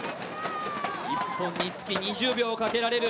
１本につき２０秒かけられる。